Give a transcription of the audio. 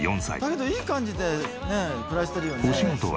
「だけどいい感じでね暮らしてるよね」